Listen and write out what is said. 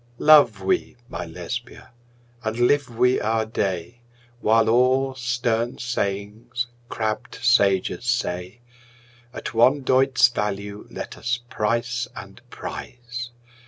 Love we (my Lesbia!) and live we our day, While all stern sayings crabbed sages say, At one doit's value let us price and prize!